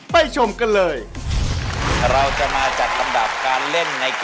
ไปชมกันเลย